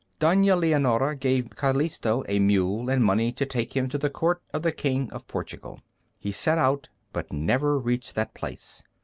Donna Leonora gave Calisto a mule and money to take him to the court of the King of Portugal. He set out, but never reached that place.